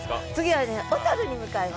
はい小樽に向かいます。